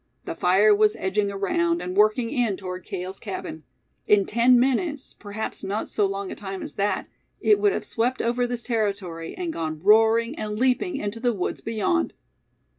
The fire was edging around, and working in toward Cale's cabin. In ten minutes, perhaps not so long a time as that, it would have swept over this territory, and gone roaring and leaping into the woods beyond.